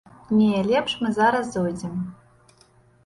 Не, лепш мы зараз зойдзем.